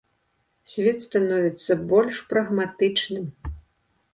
Свет становіцца больш прагматычным.